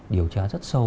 điều tra rất sâu